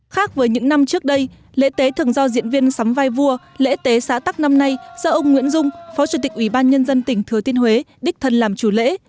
khác với những năm trước đây lễ tế thường do diễn viên sắm vai vua lễ tế xã tắc năm nay do ông nguyễn dung phó chủ tịch ủy ban nhân dân tỉnh thừa tiên huế đích thân làm chủ lễ